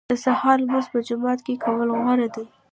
د سهار لمونځ په جومات کې کول غوره دي.